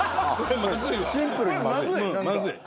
シンプルにまずい。